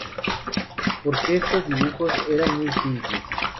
Por que estos dibujos eran muy simples.